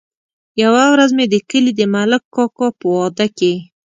يوه ورځ مې د کلي د ملک کاکا په واده کې.